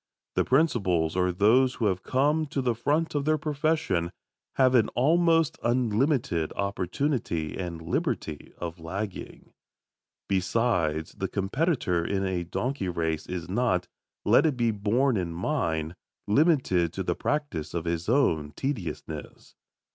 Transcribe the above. The principals, or those who have come "to the front of their profession," have an almost unlimited opportunity and liberty of lagging. Besides, the competitor in a donkey race is not, let it be borne in mind, limited to the practice of his own tediousness.